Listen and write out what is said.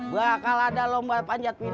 bakal ada lomba panjat